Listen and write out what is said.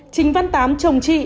trinh văn tám chồng chị